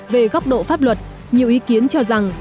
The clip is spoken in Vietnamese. về góc độ pháp luật nhiều ý kiến cho rằng